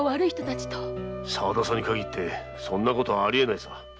沢田さんにかぎってそんなことはありえないさ。